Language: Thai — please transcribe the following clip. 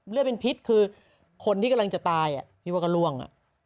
เลือดเป็นพิษคือคนที่กำลังจะตายพี่ว่าก็ล่วง